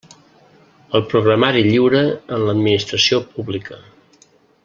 El programari lliure en l'Administració Pública.